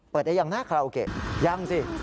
เปิดได้อย่างหน้าคาราโอเก่ยังสิ